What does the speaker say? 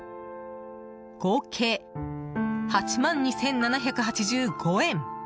合計８万２７８５円。